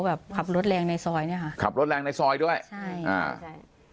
แบบความเลขแรงในซอยเนี่ยค่ะขับรถแรงในซอยด้วยใช่